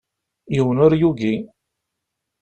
Yiwen ur yugi.